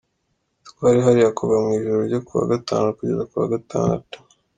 Twari hariya kuva mu ijoro ryo ku wa Gatatu kugeza ku wa Gatandatu.